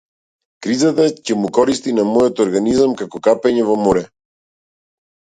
Кризата ќе му користи на мојот организам како капење во море.